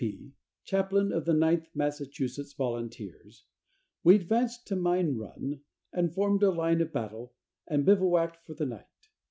P., chaplain of the Ninth Massachusetts Volunteers, "we advanced to Mine Run and formed a line of battle and bivouacked for the night.